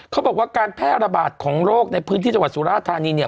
เขาบอกว่าการแพร่ระบาดของโรคในพื้นที่จังหวัดสุราธานีเนี่ย